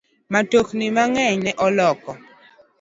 Mtokni mang'eny ne oloko